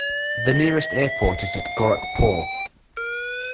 The nearest airport is at Gorakhpur.